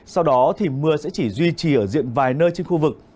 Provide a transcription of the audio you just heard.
sau đó thì mưa sẽ chỉ duy trì ở diện vài nơi trên khu vực